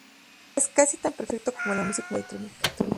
Es casi tan perfecto como la música electrónica.